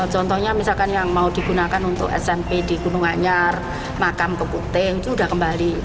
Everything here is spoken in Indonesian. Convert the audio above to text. contohnya misalkan yang mau digunakan untuk smp di gunung anyar makam keputih itu sudah kembali